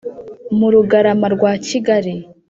Mu Rugarama rwa Kigali